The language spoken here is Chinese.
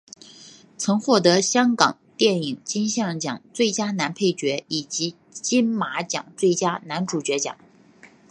曾获得香港电影金像奖最佳男配角以及金马奖最佳男主角奖。